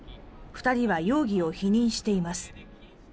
２人は容疑を否認しています。